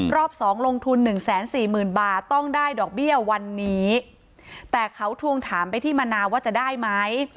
รอบ๒ลงทุน๑๔๐๐๐๐บาทต้องได้ดอกเบี้ยวันนี้แต่เขาทวงถามไปที่มะนาวว่าจะได้ไหม